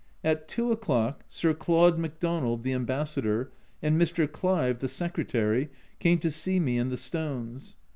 At 2 o'clock Sir Claude Macdonald (the Ambassador) and Mr. Clive (the Secretary) came to see me and the stones.